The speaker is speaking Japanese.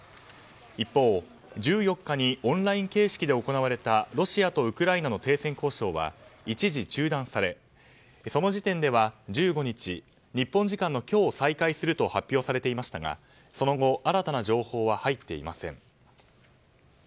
一方、１４日にオンライン形式で行われたロシアとウクライナの停戦交渉は一時中断され、その時点では１５日、日本時間の今日再開すると発表されていましたがその後、新たな情報は入っていません。